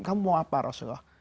kamu mau apa rasulullah